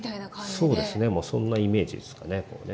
そうですねそんなイメージですかね。